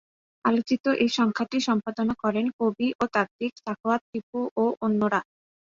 আলোচিত এই সংখ্যাটি সম্পাদনা করেন কবি ও তাত্ত্বিক সাখাওয়াত টিপু ও অন্যরা।